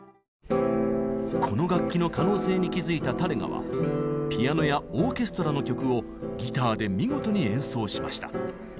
この楽器の可能性に気づいたタレガはピアノやオーケストラの曲をギターで見事に演奏しました。